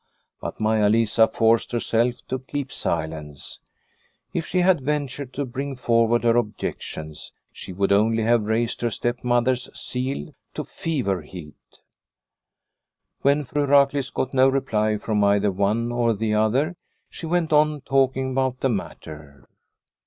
But Maia Lisa forced herself to keep silence. If she had ventured to bring forward her ob jections, she would only have raised her step mother's zeal to fever heat. When Fru Raklitz got no reply from either one or the other she went on talking about the matter.